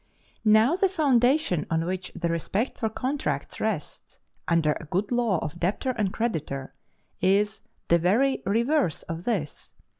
Now the foundation on which the respect for contracts rests, under a good law of debtor and creditor, is the very reverse of this.